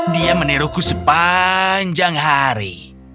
dia meniruku sepanjang hari